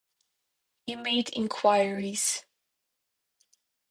He made enquiries.